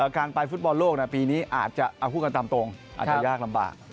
การไปฟุตบอลโลกปีนี้อาจจะเอาพูดกันตามตรงอาจจะยากลำบาก